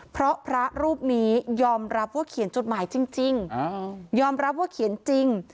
เพราะพระรูปนี้ยอมรับว่าเขียนจดหมายจริงยอมรับว่าเขียนจริง